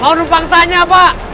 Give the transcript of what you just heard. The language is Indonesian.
mau numpang tanya pak